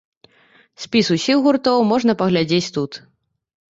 Спіс усіх гуртоў можна паглядзець тут.